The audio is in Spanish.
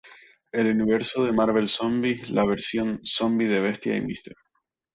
En el universo de "Marvel Zombies", las versiones zombi de Bestia y Mr.